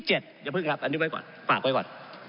อย่าเพิ่งครับอันนี้ไว้ก่อนฝากไว้ก่อน